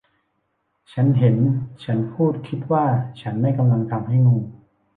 ฉันเห็นฉันพูดคิดว่าฉันไม่ทำกำลังทำให้งง